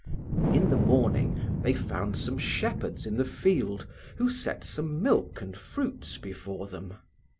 In the morning they found some shepherds in the field, who set some milk and fruits before them.